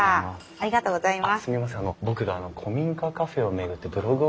ありがとうございます。